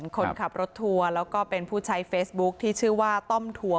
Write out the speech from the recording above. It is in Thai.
คนขับรถทัวร์แล้วก็เป็นผู้ใช้เฟซบุ๊คที่ชื่อว่าต้อมทัวร์